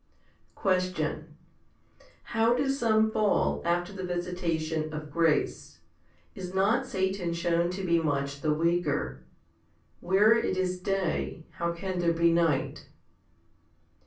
9. Question. How do some fall after the visitation of grace? Is not Satan shown to be much the weaker? Where it is day, how can there be night?